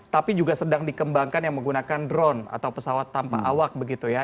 tapi juga sedang dikembangkan yang menggunakan drone atau pesawat tanpa awak begitu ya